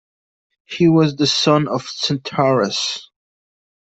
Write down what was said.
He was the son of Centauros.